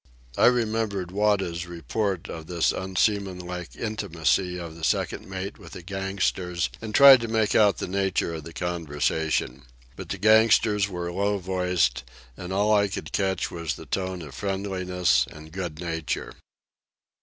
I remembered Wada's reports on this unseamanlike intimacy of the second mate with the gangsters, and tried to make out the nature of the conversation. But the gangsters were low voiced, and all I could catch was the tone of friendliness and good nature.